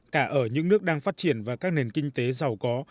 cả ở những nước đang phát triển và các nền kinh tế giàu có